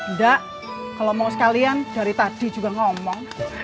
enggak kalau mau sekalian dari tadi juga ngomong